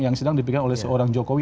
yang sedang dipegang oleh seorang jokowi